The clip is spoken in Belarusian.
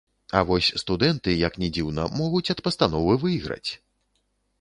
А вось студэнты, як ні дзіўна, могуць ад пастановы выйграць!